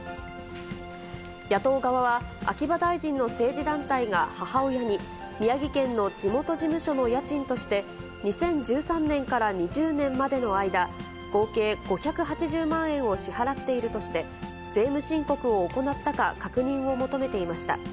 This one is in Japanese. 野党側は、秋葉大臣の政治団体が母親に、宮城県の地元事務所の家賃として、２０１３年から２０年までの間、合計５８０万円を支払っているとして、税務申告を行ったか、確認を求めていました。